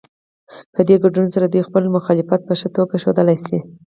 په دې ګډون سره دوی خپل مخالفت په ښه توګه ښودلی شي.